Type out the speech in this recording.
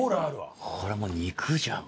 これもう肉じゃん